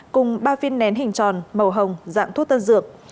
cùng ba viên nén hình tròn màu hồng dạng thuốc tân dược